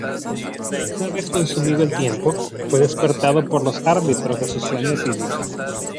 Una vez consumido el tiempo, fue despertado por los árbitros de su sueño etílico.